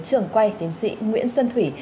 trường quay tiến sĩ nguyễn xuân thủy